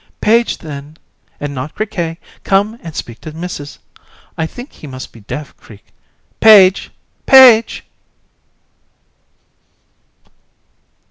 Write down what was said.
AND. Page then, and not Criquet, come and speak to missis. I think he must be deaf. Criq ... Page! page!